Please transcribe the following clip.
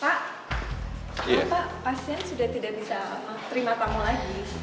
pak pasien sudah tidak bisa terima tamu lagi